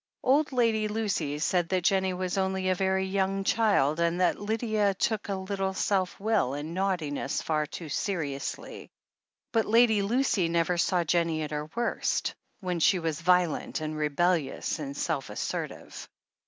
Old Lady Lucy said that Jennie was only a very young child, and that Lydia took a little self will and naughtiness far too seriously — ^but Lady Lucy never "] 344 THE HEEL OF ACHILLES saw Jennie at her worst, when she was violent and rebellious and self assertive.